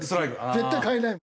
絶対変えないもん。